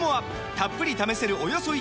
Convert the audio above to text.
たっぷり試せるおよそ１カ月！